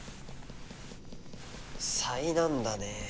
災難だね。